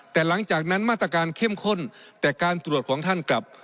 แต่หลังจากนั้นมาตรการเข้มข้นแต่การตรวจของท่านกลับ